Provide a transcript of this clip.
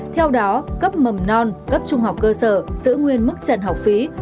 theo đó cấp mầm non cấp trung học cơ sở giữ nguyên mức trần học phí